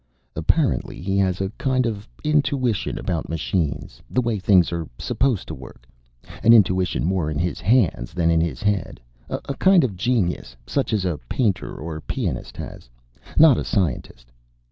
"Apparently he has a kind of intuition about machines, the way things are supposed to work. An intuition more in his hands than in his head. A kind of genius, such as a painter or a pianist has. Not a scientist.